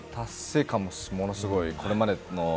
達成感も、ものすごい。